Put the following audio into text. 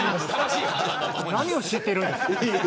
何を知ってるんですか。